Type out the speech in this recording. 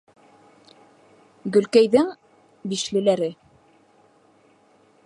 ГӨЛКӘЙҘЕҢ «БИШЛЕ»ЛӘРЕ